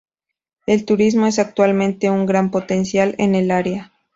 El turismo es actualmente un gran potencial en el área.